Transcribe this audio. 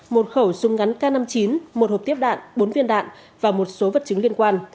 một khẩu súng ngắn k năm mươi chín một hộp tiếp đạn bốn viên đạn và một số vật chứng liên quan